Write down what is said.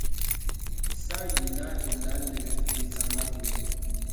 Sa yinə īnə nə sāŋ aboui.